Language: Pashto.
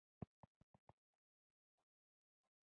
اقتصادي وده را وټوکول.